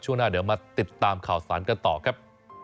ช่วงหน้าเดี๋ยวมาติดตามข่าวสารกันต่อครับ